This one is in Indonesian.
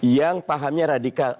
yang pahamnya radikal